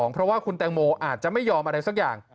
เพราะว่าคุณแตงโมอาจจะไม่ยอมอะไรสักอย่าง